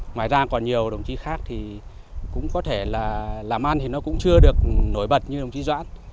nhà lãng quản nhiều của đồng chí khác làm ăn thì cũng chưa được nổi bật như đồng chí doãn